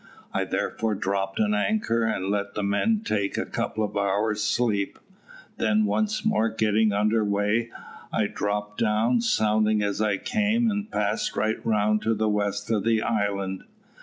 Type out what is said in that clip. I therefore dropped an anchor, and let the men take a couple of hours' sleep; then once more getting under weigh, I dropped down, sounding as I came, and passed right round to the west of the island.